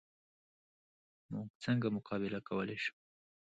موږ څنګه مقابله کولی شو؟